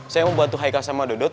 saya mau bantu haika sama dodot